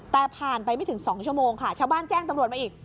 แต่ผ่านไปไม่ถึง๒ชั่วโมงค่ะชาวบ้านแจ้งตำรวจมาอีก